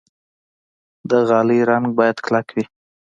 د غالۍ رنګ باید کلک وي.